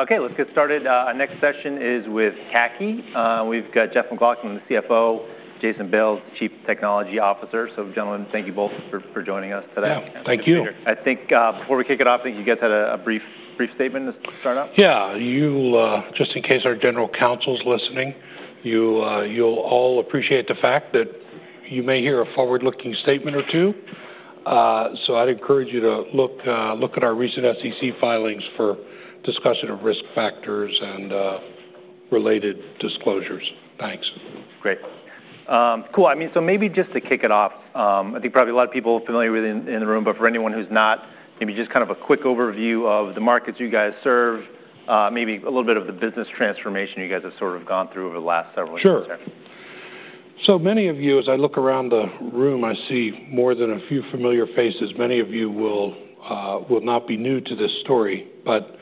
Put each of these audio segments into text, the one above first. Okay, let's get started. Our next session is with CACI. We've got Jeff McLaughlin, the CFO, Jason Bales, Chief Technology Officer. So, gentlemen, thank you both for joining us today. Yeah, thank you. I think before we kick it off, I think you guys had a brief statement to start off. Yeah, you'll, just in case our general counsel's listening, you'll all appreciate the fact that you may hear a forward-looking statement or two. I'd encourage you to look at our recent SEC filings for discussion of risk factors and related disclosures. Thanks. Great. Cool. I mean, so maybe just to kick it off, I think probably a lot of people are familiar with it in the room, but for anyone who's not, maybe just kind of a quick overview of the markets you guys serve, maybe a little bit of the business transformation you guys have sort of gone through over the last several years. Sure. So many of you, as I look around the room, I see more than a few familiar faces. Many of you will not be new to this story, but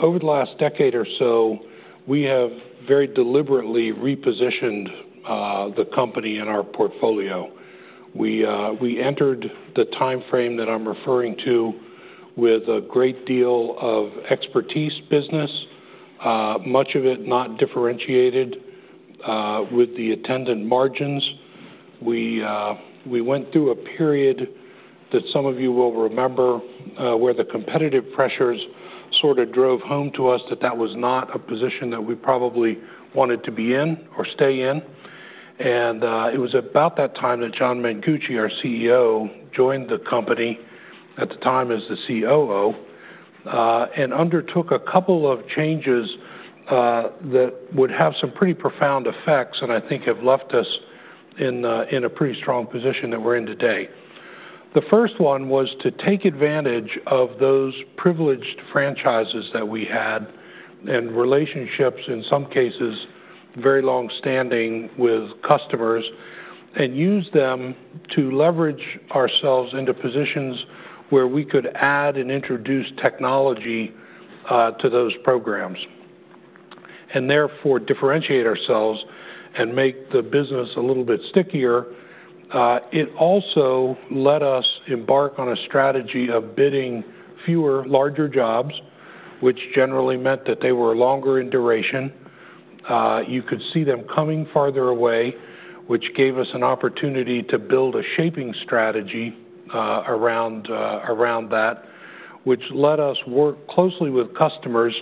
over the last decade or so, we have very deliberately repositioned the company in our portfolio. We entered the timeframe that I'm referring to with a great deal of expertise business, much of it not differentiated with the attendant margins. We went through a period that some of you will remember where the competitive pressures sort of drove home to us that that was not a position that we probably wanted to be in or stay in. It was about that time that John Mengucci, our CEO, joined the company at the time as the COO and undertook a couple of changes that would have some pretty profound effects and I think have left us in a pretty strong position that we're in today. The first one was to take advantage of those privileged franchises that we had and relationships, in some cases very longstanding, with customers and use them to leverage ourselves into positions where we could add and introduce technology to those programs and therefore differentiate ourselves and make the business a little bit stickier. It also let us embark on a strategy of bidding fewer, larger jobs, which generally meant that they were longer in duration. You could see them coming farther away, which gave us an opportunity to build a shaping strategy around that, which let us work closely with customers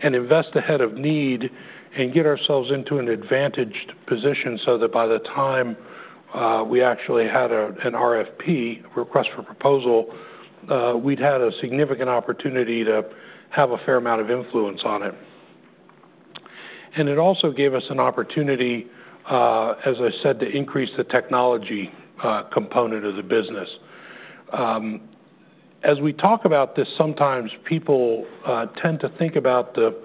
and invest ahead of need and get ourselves into an advantaged position so that by the time we actually had an RFP, request for proposal, we'd had a significant opportunity to have a fair amount of influence on it. It also gave us an opportunity, as I said, to increase the technology component of the business. As we talk about this, sometimes people tend to think about the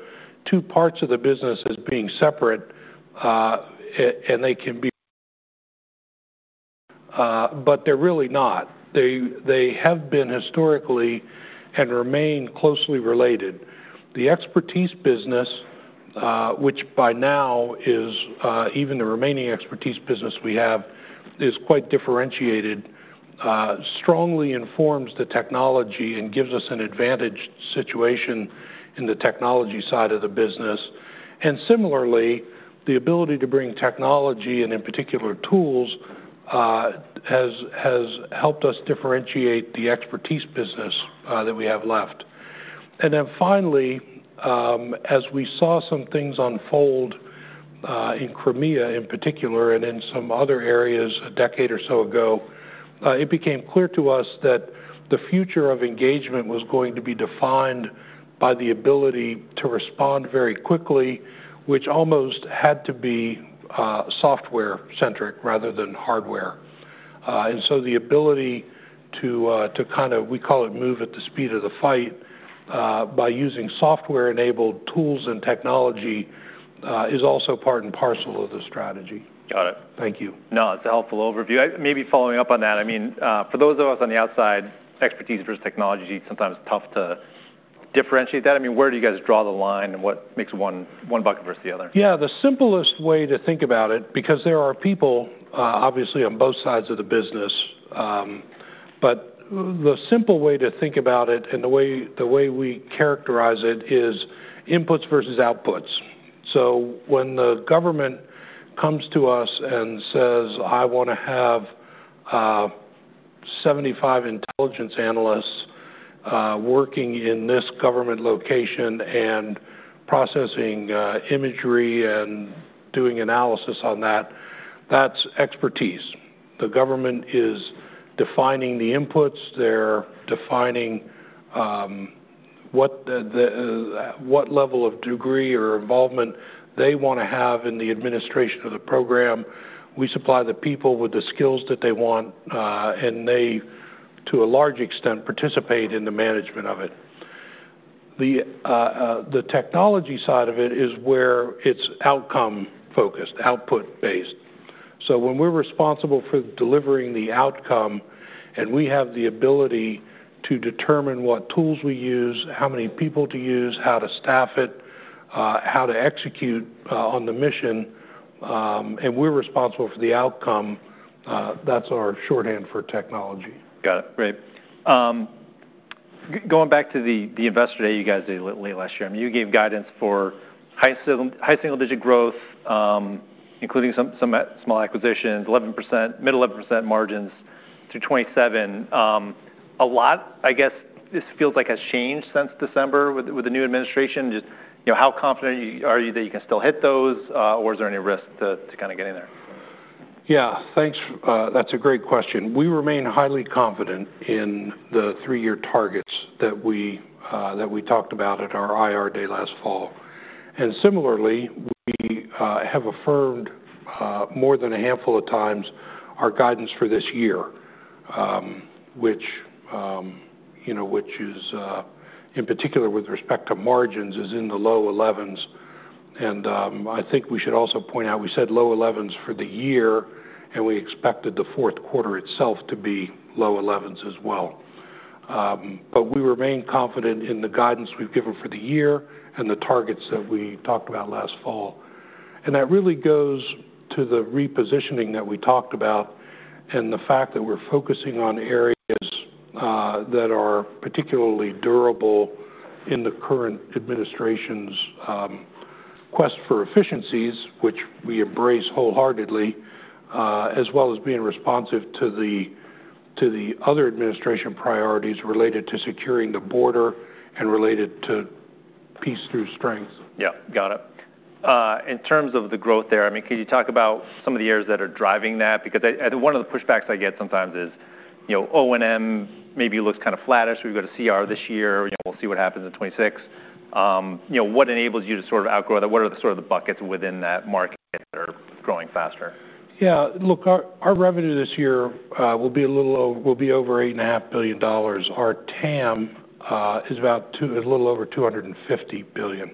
two parts of the business as being separate, and they can be, but they're really not. They have been historically and remain closely related. The expertise business, which by now is even the remaining expertise business we have, is quite differentiated, strongly informs the technology and gives us an advantaged situation in the technology side of the business. Similarly, the ability to bring technology and in particular tools has helped us differentiate the expertise business that we have left. Finally, as we saw some things unfold in Crimea in particular and in some other areas a decade or so ago, it became clear to us that the future of engagement was going to be defined by the ability to respond very quickly, which almost had to be software-centric rather than hardware. The ability to kind of, we call it move at the speed of the fight by using software-enabled tools and technology is also part and parcel of the strategy. Got it. Thank you. No, that's a helpful overview. Maybe following up on that, I mean, for those of us on the outside, expertise versus technology, sometimes tough to differentiate that. I mean, where do you guys draw the line and what makes one bucket versus the other? Yeah, the simplest way to think about it, because there are people obviously on both sides of the business, but the simple way to think about it and the way we characterize it is inputs versus outputs. When the government comes to us and says, "I want to have 75 intelligence analysts working in this government location and processing imagery and doing analysis on that," that's expertise. The government is defining the inputs. They're defining what level of degree or involvement they want to have in the administration of the program. We supply the people with the skills that they want, and they, to a large extent, participate in the management of it. The technology side of it is where it's outcome-focused, output-based. When we're responsible for delivering the outcome and we have the ability to determine what tools we use, how many people to use, how to staff it, how to execute on the mission, and we're responsible for the outcome, that's our shorthand for technology. Got it. Great. Going back to the investor day you guys did late last year, I mean, you gave guidance for high single-digit growth, including some small acquisitions, 11%, mid-11% margins to 27. A lot, I guess, this feels like has changed since December with the new administration. Just how confident are you that you can still hit those, or is there any risk to kind of getting there? Yeah, thanks. That's a great question. We remain highly confident in the three-year targets that we talked about at our IR day last fall. Similarly, we have affirmed more than a handful of times our guidance for this year, which is, in particular, with respect to margins, is in the low 11s. I think we should also point out we said low 11s for the year, and we expected the fourth quarter itself to be low 11s as well. We remain confident in the guidance we've given for the year and the targets that we talked about last fall. That really goes to the repositioning that we talked about and the fact that we're focusing on areas that are particularly durable in the current administration's quest for efficiencies, which we embrace wholeheartedly, as well as being responsive to the other administration priorities related to securing the border and related to peace through strength. Yeah, got it. In terms of the growth there, I mean, can you talk about some of the areas that are driving that? Because one of the pushbacks I get sometimes is O&M maybe looks kind of flattish. We have got a CR this year. We will see what happens in 2026. What enables you to sort of outgrow that? What are sort of the buckets within that market that are growing faster? Yeah, look, our revenue this year will be a little over, will be over $8.5 billion. Our TAM is a little over $250 billion.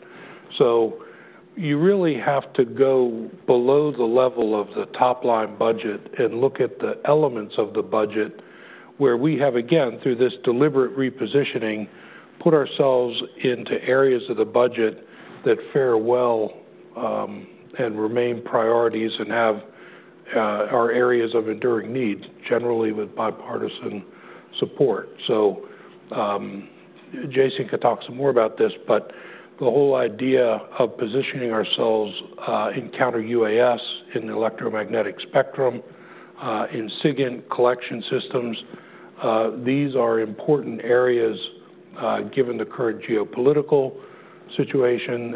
You really have to go below the level of the top-line budget and look at the elements of the budget where we have, again, through this deliberate repositioning, put ourselves into areas of the budget that fare well and remain priorities and have our areas of enduring need generally with bipartisan support. Jason could talk some more about this, but the whole idea of positioning ourselves in counter UAS in the electromagnetic spectrum, in SIGINT collection systems, these are important areas given the current geopolitical situation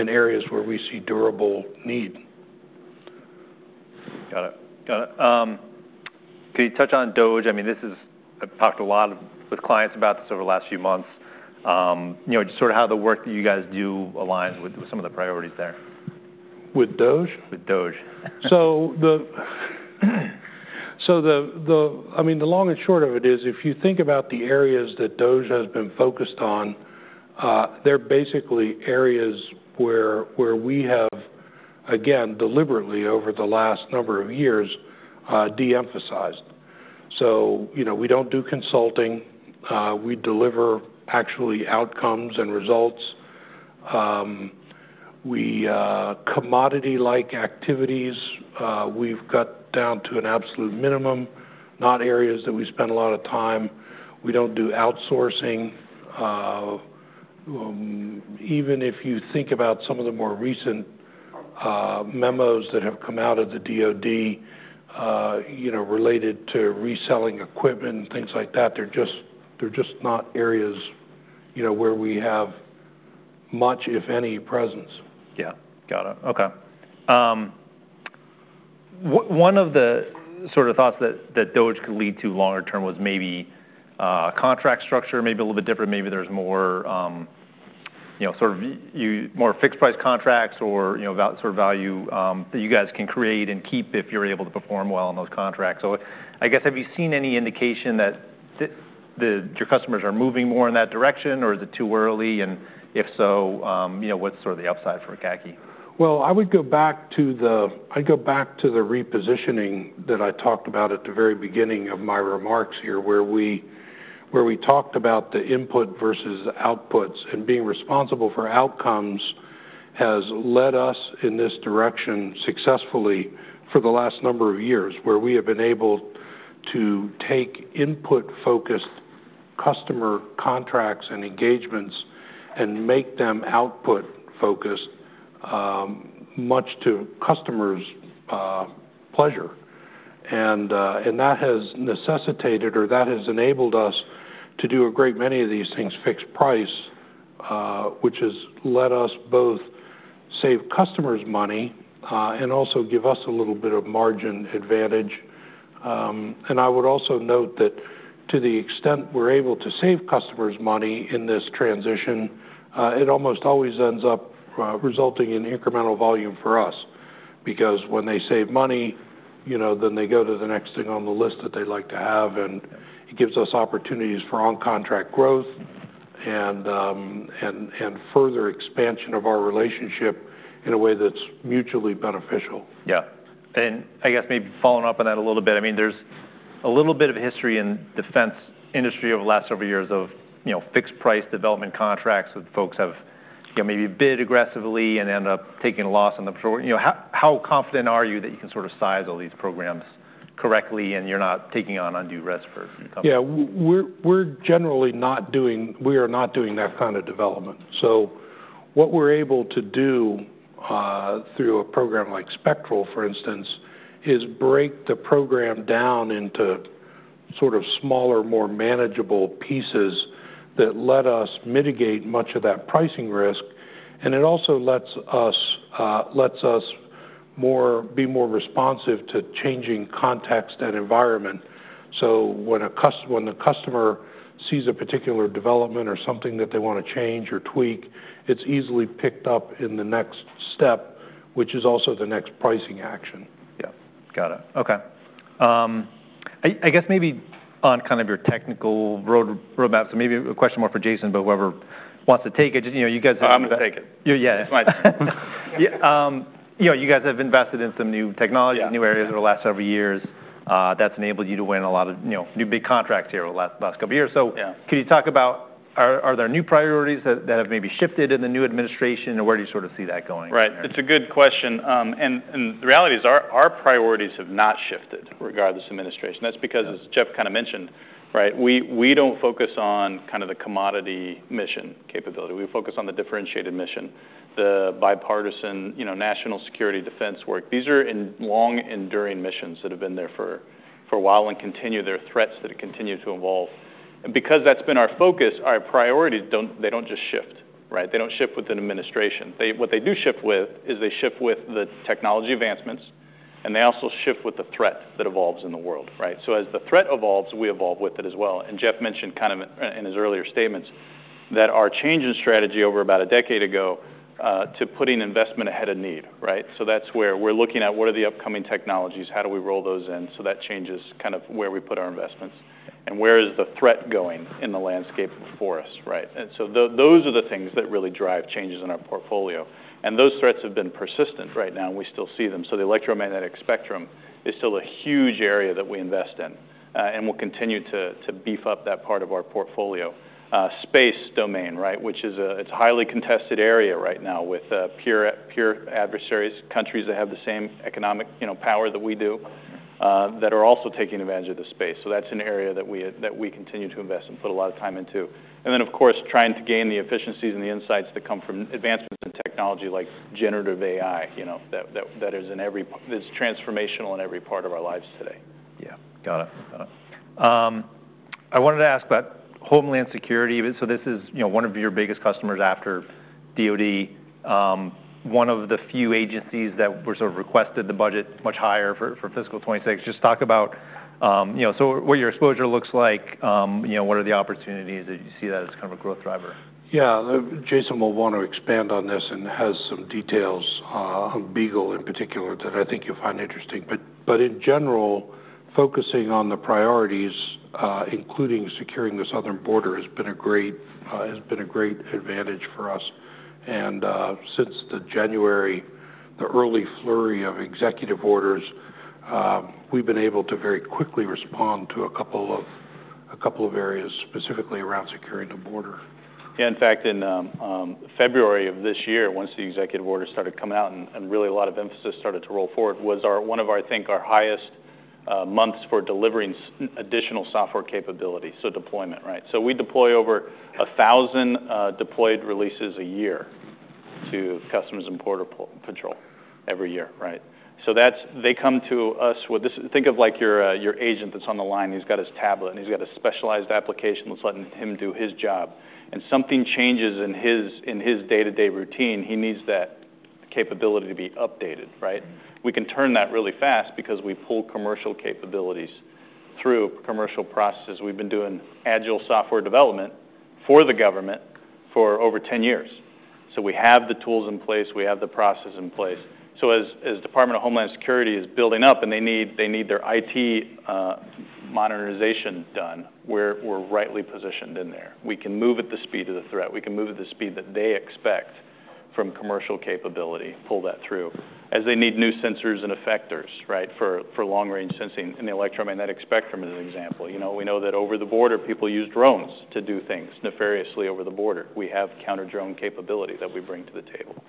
and areas where we see durable need. Got it. Got it. Can you touch on Beagle? I mean, this is I've talked a lot with clients about this over the last few months, just sort of how the work that you guys do aligns with some of the priorities there. With DOGE? With DOGE. I mean, the long and short of it is if you think about the areas that DoD has been focused on, they're basically areas where we have, again, deliberately over the last number of years de-emphasized. We don't do consulting. We deliver actually outcomes and results. Commodity-like activities, we've cut down to an absolute minimum, not areas that we spend a lot of time. We don't do outsourcing. Even if you think about some of the more recent memos that have come out of the DoD related to reselling equipment and things like that, they're just not areas where we have much, if any, presence. Yeah. Got it. Okay. One of the sort of thoughts that DOGE could lead to longer term was maybe contract structure, maybe a little bit different. Maybe there's more sort of more fixed-price contracts or sort of value that you guys can create and keep if you're able to perform well on those contracts. I guess, have you seen any indication that your customers are moving more in that direction, or is it too early? If so, what's sort of the upside for CACI? I would go back to the repositioning that I talked about at the very beginning of my remarks here where we talked about the input versus outputs and being responsible for outcomes has led us in this direction successfully for the last number of years where we have been able to take input-focused customer contracts and engagements and make them output-focused much to customers' pleasure. That has necessitated, or that has enabled us to do a great many of these things fixed price, which has led us both to save customers' money and also give us a little bit of margin advantage. I would also note that to the extent we're able to save customers' money in this transition, it almost always ends up resulting in incremental volume for us because when they save money, then they go to the next thing on the list that they'd like to have, and it gives us opportunities for on-contract growth and further expansion of our relationship in a way that's mutually beneficial. Yeah. I guess maybe following up on that a little bit, I mean, there's a little bit of history in the defense industry over the last several years of fixed-price development contracts that folks have maybe bid aggressively and end up taking a loss on them. How confident are you that you can sort of size all these programs correctly and you're not taking on undue risk for companies? Yeah, we're generally not doing, we are not doing that kind of development. What we're able to do through a program like Spectral, for instance, is break the program down into sort of smaller, more manageable pieces that let us mitigate much of that pricing risk. It also lets us be more responsive to changing context and environment. When a customer sees a particular development or something that they want to change or tweak, it's easily picked up in the next step, which is also the next pricing action. Yeah. Got it. Okay. I guess maybe on kind of your technical roadmap, so maybe a question more for Jason, but whoever wants to take it. You guys have. I'm going to take it. Yeah. You guys have invested in some new technology, new areas over the last several years. That's enabled you to win a lot of new big contracts here over the last couple of years. Can you talk about, are there new priorities that have maybe shifted in the new administration, or where do you sort of see that going? Right. It's a good question. The reality is our priorities have not shifted regardless of administration. That's because, as Jeff kind of mentioned, we don't focus on kind of the commodity mission capability. We focus on the differentiated mission, the bipartisan national security defense work. These are long-enduring missions that have been there for a while and continue, their threats continue to evolve. Because that's been our focus, our priorities, they don't just shift. They don't shift with an administration. What they do shift with is they shift with the technology advancements, and they also shift with the threat that evolves in the world. As the threat evolves, we evolve with it as well. Jeff mentioned in his earlier statements that our change in strategy over about a decade ago to putting investment ahead of need, right? That's where we're looking at what are the upcoming technologies, how do we roll those in so that changes kind of where we put our investments and where is the threat going in the landscape for us, right? Those are the things that really drive changes in our portfolio. Those threats have been persistent right now, and we still see them. The electromagnetic spectrum is still a huge area that we invest in and will continue to beef up that part of our portfolio. Space domain, right, which is a highly contested area right now with peer adversaries, countries that have the same economic power that we do that are also taking advantage of the space. That's an area that we continue to invest and put a lot of time into. Trying to gain the efficiencies and the insights that come from advancements in technology like generative AI that is transformational in every part of our lives today. Yeah. Got it. Got it. I wanted to ask about Homeland Security. This is one of your biggest customers after DoD, one of the few agencies that were sort of requested the budget much higher for fiscal 2026. Just talk about what your exposure looks like, what are the opportunities that you see that as kind of a growth driver? Yeah, Jason will want to expand on this and has some details on Beagle in particular that I think you'll find interesting. In general, focusing on the priorities, including securing the southern border, has been a great advantage for us. Since January, the early flurry of executive orders, we've been able to very quickly respond to a couple of areas specifically around securing the border. Yeah. In fact, in February of this year, once the executive order started coming out and really a lot of emphasis started to roll forward, was one of, I think, our highest months for delivering additional software capability, deployment, right? We deploy over 1,000 deployed releases a year to customers in Border Patrol every year, right? They come to us with this, think of like your agent that's on the line. He's got his tablet and he's got a specialized application. Let's let him do his job. If something changes in his day-to-day routine, he needs that capability to be updated, right? We can turn that really fast because we pull commercial capabilities through commercial processes. We've been doing agile software development for the government for over 10 years. We have the tools in place. We have the process in place. As the Department of Homeland Security is building up and they need their IT modernization done, we're rightly positioned in there. We can move at the speed of the threat. We can move at the speed that they expect from commercial capability, pull that through. As they need new sensors and effectors, right, for long-range sensing in the electromagnetic spectrum as an example. We know that over the border, people use drones to do things nefariously over the border. We have counter-drone capability that we bring to the table.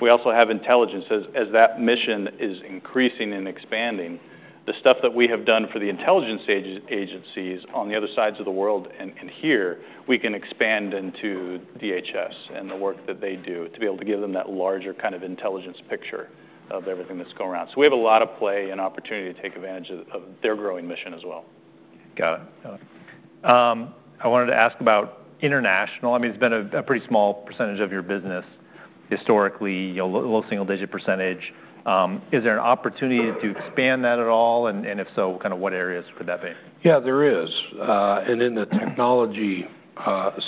We also have intelligence. As that mission is increasing and expanding, the stuff that we have done for the intelligence agencies on the other sides of the world and here, we can expand into DHS and the work that they do to be able to give them that larger kind of intelligence picture of everything that's going around. We have a lot of play and opportunity to take advantage of their growing mission as well. Got it. Got it. I wanted to ask about international. I mean, it's been a pretty small percentage of your business historically, low single-digit percentage. Is there an opportunity to expand that at all? If so, kind of what areas could that be? Yeah, there is. In the technology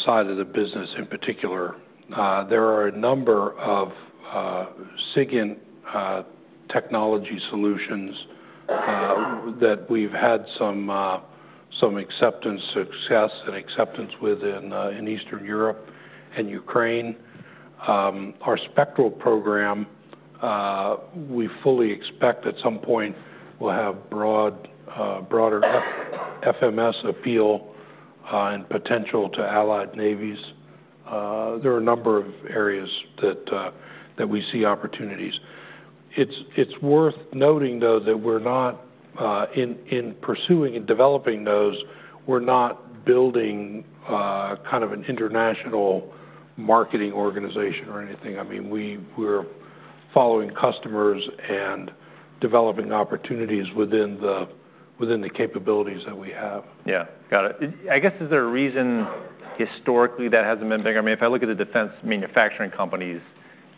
side of the business in particular, there are a number of SIGINT technology solutions that we've had some acceptance, success, and acceptance within Eastern Europe and Ukraine. Our Spectral program, we fully expect at some point we'll have broader FMS appeal and potential to allied navies. There are a number of areas that we see opportunities. It's worth noting, though, that we're not in pursuing and developing those, we're not building kind of an international marketing organization or anything. I mean, we're following customers and developing opportunities within the capabilities that we have. Yeah. Got it. I guess, is there a reason historically that has not been bigger? I mean, if I look at the defense manufacturing companies,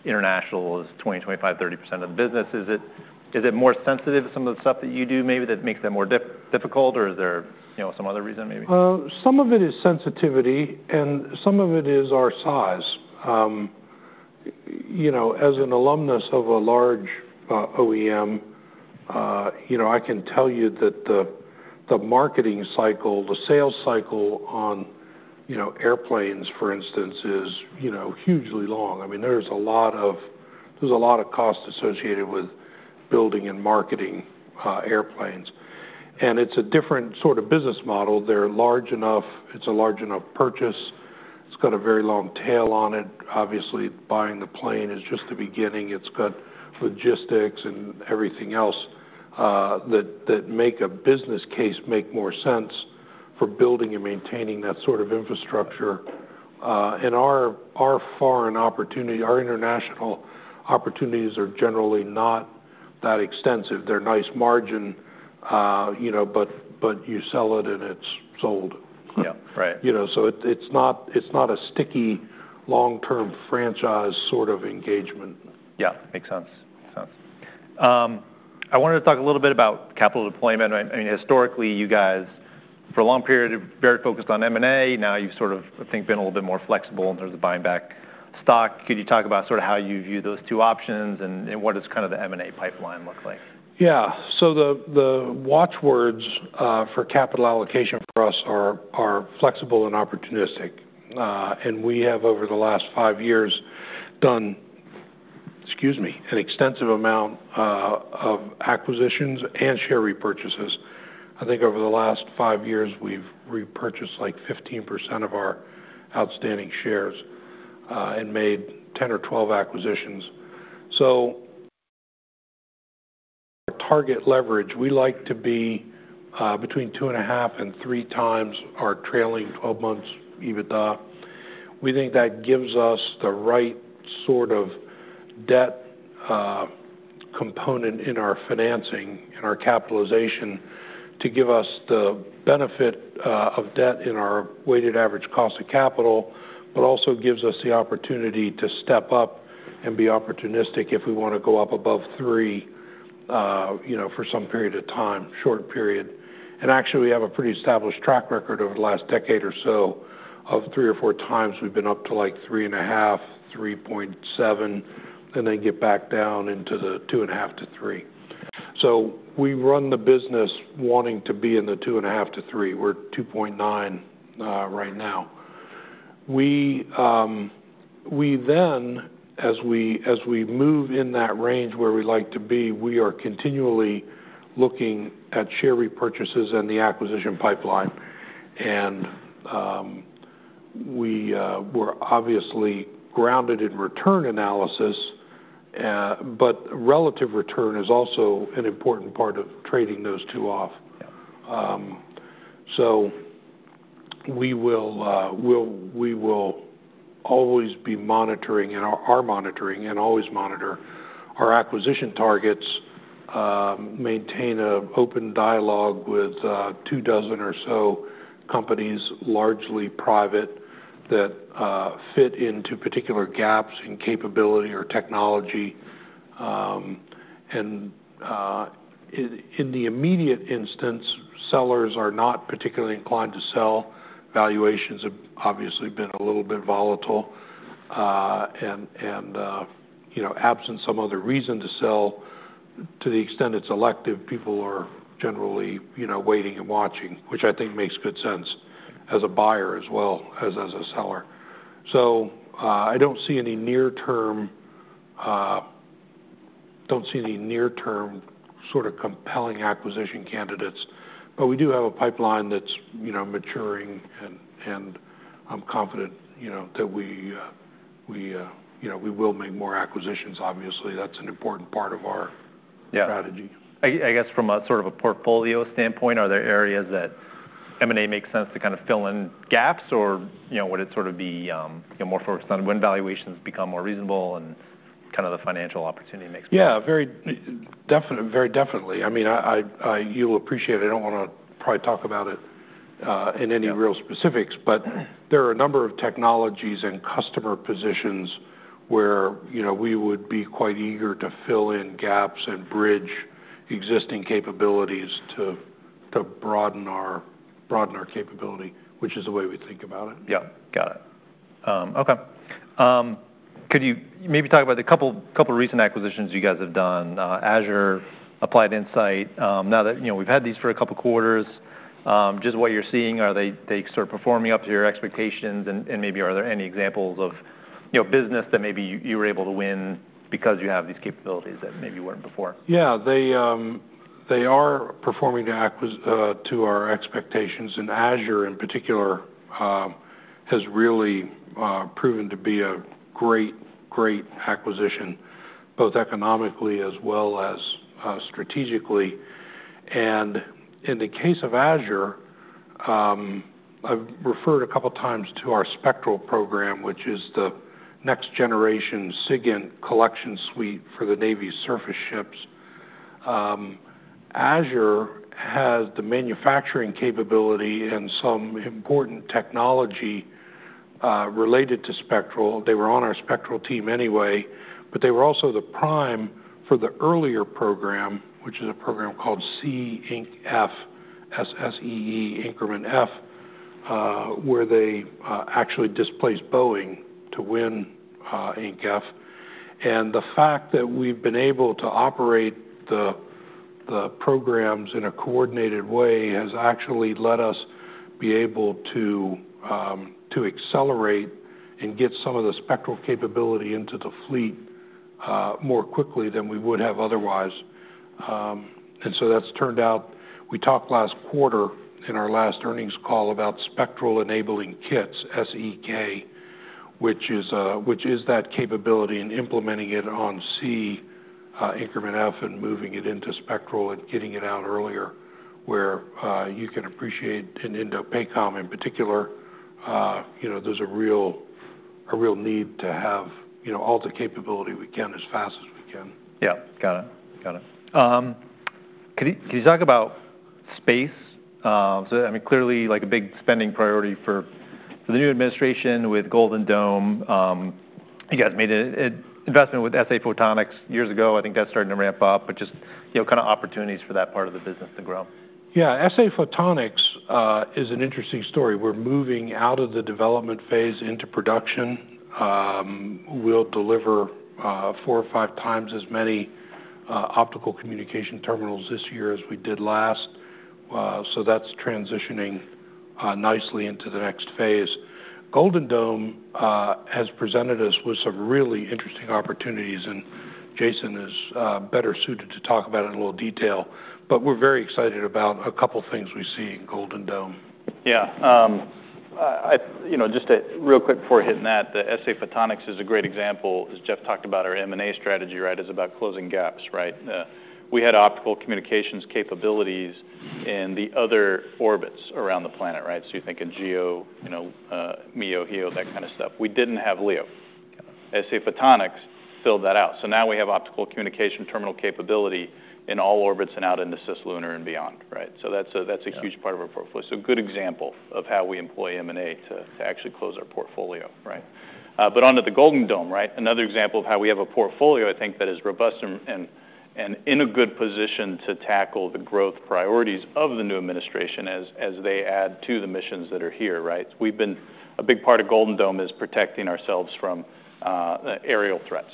international is 20%, 25%, 30% of the business. Is it more sensitive to some of the stuff that you do maybe that makes that more difficult, or is there some other reason maybe? Some of it is sensitivity, and some of it is our size. As an alumnus of a large OEM, I can tell you that the marketing cycle, the sales cycle on airplanes, for instance, is hugely long. I mean, there's a lot of cost associated with building and marketing airplanes. It is a different sort of business model. They're large enough, it's a large enough purchase. It's got a very long tail on it. Obviously, buying the plane is just the beginning. It's got logistics and everything else that make a business case make more sense for building and maintaining that sort of infrastructure. Our foreign opportunity, our international opportunities are generally not that extensive. They're nice margin, but you sell it and it's sold. Yeah. Right. It's not a sticky long-term franchise sort of engagement. Yeah. Makes sense. Makes sense. I wanted to talk a little bit about capital deployment. I mean, historically, you guys for a long period have very focused on M&A. Now you've sort of, I think, been a little bit more flexible in terms of buying back stock. Could you talk about sort of how you view those two options and what does kind of the M&A pipeline look like? Yeah. The watchwords for capital allocation for us are flexible and opportunistic. We have, over the last five years, done, excuse me, an extensive amount of acquisitions and share repurchases. I think over the last five years, we've repurchased like 15% of our outstanding shares and made 10 or 12 acquisitions. Our target leverage, we like to be between 2.5x and 3x our trailing 12 months EBITDA. We think that gives us the right sort of debt component in our financing and our capitalization to give us the benefit of debt in our weighted average cost of capital, but also gives us the opportunity to step up and be opportunistic if we want to go up above three for some period of time, short period. Actually, we have a pretty established track record over the last decade or so of 3x or 4x we've been up to like 3.5, 3.7, and then get back down into the 2.5-3. We run the business wanting to be in the 2.5-3. We're 2.9 right now. As we move in that range where we like to be, we are continually looking at share repurchases and the acquisition pipeline. We're obviously grounded in return analysis, but relative return is also an important part of trading those two off. We will always be monitoring and are monitoring and always monitor our acquisition targets, maintain an open dialogue with two dozen or so companies, largely private, that fit into particular gaps in capability or technology. In the immediate instance, sellers are not particularly inclined to sell. Valuations have obviously been a little bit volatile. Absent some other reason to sell, to the extent it's elective, people are generally waiting and watching, which I think makes good sense as a buyer as well as as a seller. I don't see any near-term, don't see any near-term sort of compelling acquisition candidates, but we do have a pipeline that's maturing, and I'm confident that we will make more acquisitions. Obviously, that's an important part of our strategy. I guess from a sort of a portfolio standpoint, are there areas that M&A makes sense to kind of fill in gaps or would it sort of be more focused on when valuations become more reasonable and kind of the financial opportunity makes more sense? Yeah, very definitely. I mean, you'll appreciate it. I don't want to probably talk about it in any real specifics, but there are a number of technologies and customer positions where we would be quite eager to fill in gaps and bridge existing capabilities to broaden our capability, which is the way we think about it. Yeah. Got it. Okay. Could you maybe talk about a couple of recent acquisitions you guys have done? Azure, Applied Insight. Now that we've had these for a couple of quarters, just what you're seeing, are they sort of performing up to your expectations? Maybe are there any examples of business that maybe you were able to win because you have these capabilities that maybe weren't before? Yeah. They are performing to our expectations. Azure in particular has really proven to be a great, great acquisition, both economically as well as strategically. In the case of Azure, I've referred a couple of times to our Spectral program, which is the next-generation SIGINT collection suite for the Navy surface ships. Azure has the manufacturing capability and some important technology related to Spectral. They were on our Spectral team anyway, but they were also the prime for the earlier program, which is a program called SEE Increment F, S-S-E-E, Increment F, where they actually displaced Boeing to win Increment F. The fact that we've been able to operate the programs in a coordinated way has actually let us be able to accelerate and get some of the Spectral capability into the fleet more quickly than we would have otherwise. That's turned out. We talked last quarter in our last earnings call about Spectral enabling kits, SEK, which is that capability and implementing it on SEE Increment F and moving it into Spectral and getting it out earlier where you can appreciate in Indo-Pacific Command in particular, there's a real need to have all the capability we can as fast as we can. Yeah. Got it. Got it. Could you talk about space? I mean, clearly like a big spending priority for the new administration with Golden Dome. You guys made an investment with SA Photonics years ago. I think that's starting to ramp up, but just kind of opportunities for that part of the business to grow. Yeah. SA Photonics is an interesting story. We're moving out of the development phase into production. We'll deliver four or 5x as many optical communication terminals this year as we did last. That is transitioning nicely into the next phase. Golden Dome has presented us with some really interesting opportunities, and Jason is better suited to talk about it in a little detail, but we're very excited about a couple of things we see in Golden Dome. Yeah. Just real quick before hitting that, the SA Photonics is a great example. As Jeff talked about, our M&A strategy, right, is about closing gaps, right? We had optical communications capabilities in the other orbits around the planet, right? So you think in GEO, MEO, HEO, that kind of stuff. We did not have LEO. SA Photonics filled that out. So now we have optical communication terminal capability in all orbits and out into Cislunar and beyond, right? That is a huge part of our portfolio. A good example of how we employ M&A to actually close our portfolio, right? Onto the Golden Dome, right, another example of how we have a portfolio, I think, that is robust and in a good position to tackle the growth priorities of the new administration as they add to the missions that are here, right? A big part of Golden Dome is protecting ourselves from aerial threats,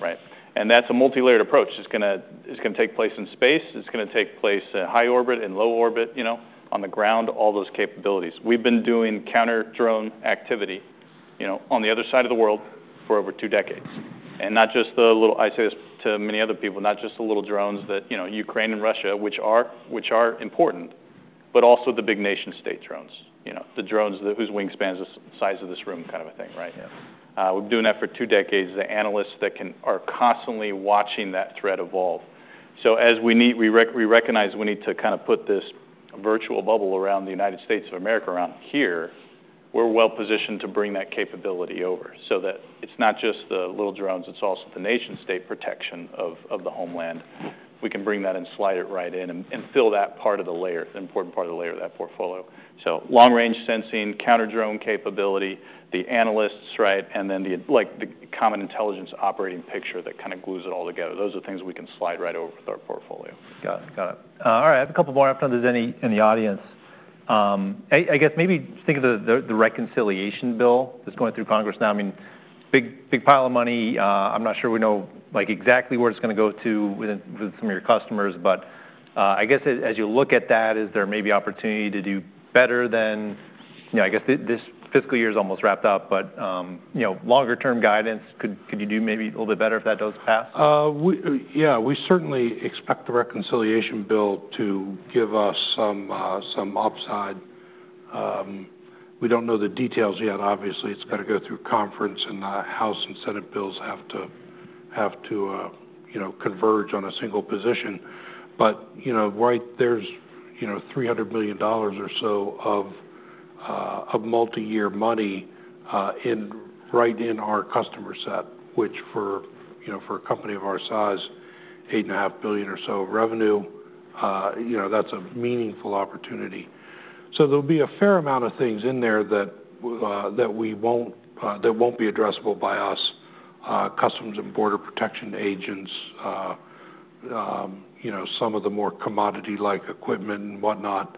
right? That is a multi-layered approach. It is going to take place in space. It is going to take place in high orbit and low orbit, on the ground, all those capabilities. We have been doing counter-drone activity on the other side of the world for over two decades. Not just the little, I say this to many other people, not just the little drones that Ukraine and Russia, which are important, but also the big nation-state drones, the drones whose wingspan is the size of this room kind of a thing, right? We have been doing that for two decades. The analysts that are constantly watching that threat evolve. As we recognize we need to kind of put this virtual bubble around the United States of America around here, we're well positioned to bring that capability over so that it's not just the little drones, it's also the nation-state protection of the homeland. We can bring that and slide it right in and fill that part of the layer, the important part of the layer of that portfolio. Long-range sensing, counter-drone capability, the analysts, right, and then the common intelligence operating picture that kind of glues it all together. Those are the things we can slide right over with our portfolio. Got it. Got it. All right. I have a couple more afternoon. If there's any in the audience, I guess maybe think of the reconciliation bill that's going through Congress now. I mean, big pile of money. I'm not sure we know exactly where it's going to go to with some of your customers, but I guess as you look at that, is there maybe opportunity to do better than I guess this fiscal year is almost wrapped up, but longer-term guidance, could you do maybe a little bit better if that does pass? Yeah. We certainly expect the reconciliation bill to give us some upside. We do not know the details yet. Obviously, it has got to go through conference, and the House and Senate bills have to converge on a single position. Right there is $300 million or so of multi-year money right in our customer set, which for a company of our size, $8.5 billion or so of revenue, that is a meaningful opportunity. There will be a fair amount of things in there that will not be addressable by us, customs and border protection agents, some of the more commodity-like equipment and whatnot.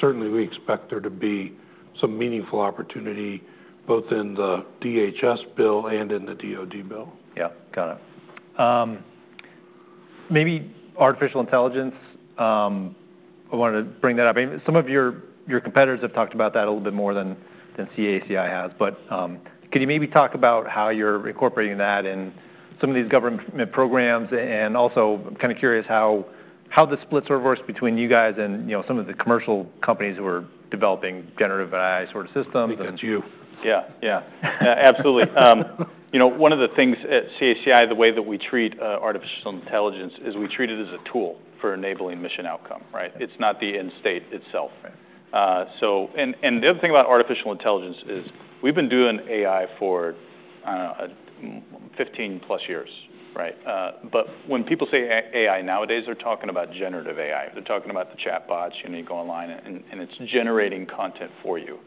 Certainly, we expect there to be some meaningful opportunity both in the DHS bill and in the DoD bill. Yeah. Got it. Maybe artificial intelligence, I wanted to bring that up. Some of your competitors have talked about that a little bit more than CACI has, but could you maybe talk about how you're incorporating that in some of these government programs? Also kind of curious how the splits are worse between you guys and some of the commercial companies who are developing generative AI sort of systems. Because it's you. Yeah. Yeah. Absolutely. One of the things at CACI, the way that we treat artificial intelligence is we treat it as a tool for enabling mission outcome, right? It's not the end state itself. The other thing about artificial intelligence is we've been doing AI for 15+ years, right? When people say AI nowadays, they're talking about generative AI. They're talking about the chatbots. You go online and it's generating content for you.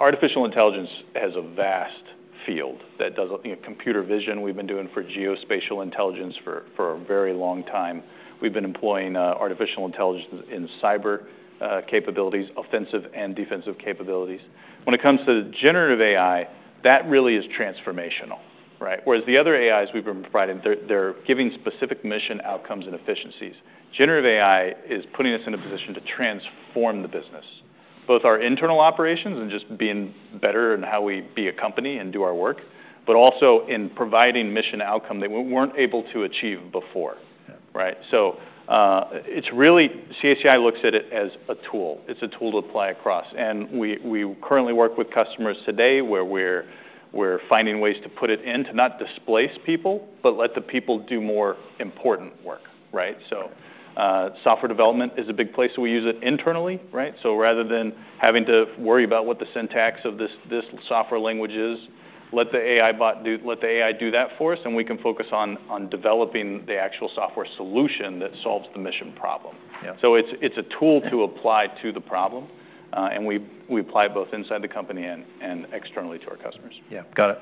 Artificial intelligence has a vast field that does computer vision. We've been doing for geospatial intelligence for a very long time. We've been employing artificial intelligence in cyber capabilities, offensive and defensive capabilities. When it comes to generative AI, that really is transformational, right? Whereas the other AIs we've been providing, they're giving specific mission outcomes and efficiencies. Generative AI is putting us in a position to transform the business, both our internal operations and just being better in how we be a company and do our work, but also in providing mission outcome that we were not able to achieve before, right? It is really CACI looks at it as a tool. It is a tool to apply across. We currently work with customers today where we are finding ways to put it in to not displace people, but let the people do more important work, right? Software development is a big place that we use it internally, right? Rather than having to worry about what the syntax of this software language is, let the AI do that for us, and we can focus on developing the actual software solution that solves the mission problem. It's a tool to apply to the problem, and we apply it both inside the company and externally to our customers. Yeah. Got it.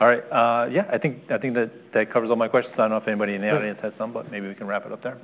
All right. Yeah. I think that covers all my questions. I do not know if anybody in the audience has some, but maybe we can wrap it up there.